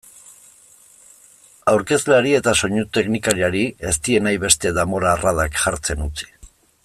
Aurkezleari eta soinu-teknikariari ez die nahi beste danbor-arradak jartzen utzi.